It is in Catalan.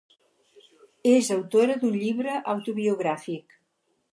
És autora d'un llibre autobiogràfic.